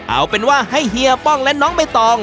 เอาเป็นว่าให้เฮียป้องและน้องใบตอง